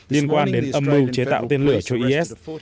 liên quan đến âm mưu chế tạo tên lửa cho is